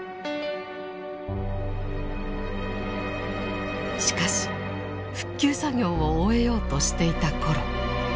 しかし復旧作業を終えようとしていた頃。